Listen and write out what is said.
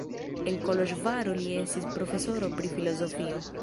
En Koloĵvaro li estis profesoro pri filozofio.